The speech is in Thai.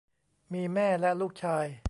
มีแม่และลูกชาย